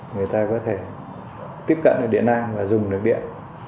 người ta có thể tiếp cận được điện năng và dùng được điện